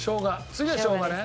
次はしょうがね。